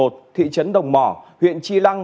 thị trấn đồng mỏ huyện tri lăng